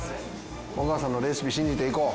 お母さんのレシピ信じていこう。